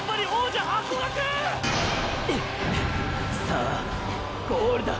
さあゴールだ。